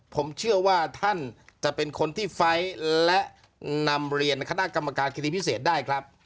ผมเชื่อว่าท่านจะเป็นคนที่ไฟล์และนำเรียนคณะกรรมการคดีพิเศษได้ครับ